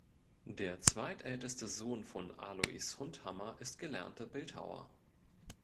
Der zweitälteste Sohn von Alois Hundhammer ist gelernter Bildhauer.